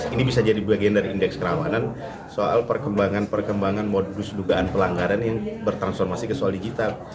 ini bisa jadi bagian dari indeks kerawanan soal perkembangan perkembangan modus dugaan pelanggaran yang bertransformasi ke soal digital